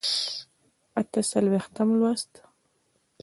اته څلوېښتم لوست